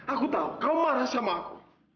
aku tahu kau marah sama aku